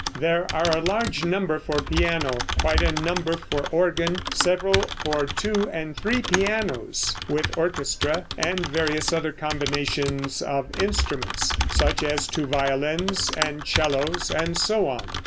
There are a large number for piano, quite a number for organ, several for two and three pianos, with orchestra, and various other combinations of instruments, such as two violins and 'cellos, and so on.